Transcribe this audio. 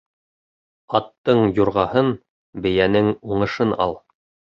Аттың юрғаһын, бейәнең уңышын ал.